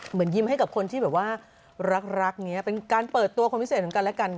เหมือนยิ้มให้กับคนที่แบบว่ารักนี้เป็นการเปิดตัวคนพิเศษเหมือนกันและกัน